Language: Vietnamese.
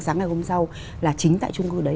sáng ngày hôm sau là chính tại trung cư đấy